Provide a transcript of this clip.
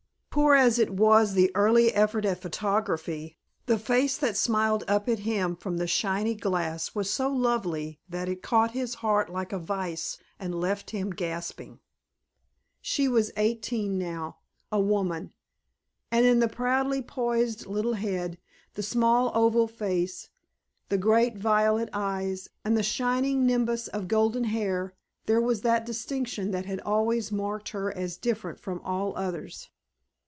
Poor as was the early effort at photography, the face that smiled up at him from the shiny glass was so lovely that it caught his heart like a vise and left him gasping. She was eighteen now—a woman! And in the proudly poised little head, the small oval face, the great violet eyes and the shining nimbus of golden hair there was that distinction that had always marked her as different from all others.